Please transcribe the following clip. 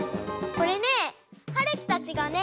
これねはるきたちがね